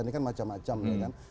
ini kan macam macam ya kan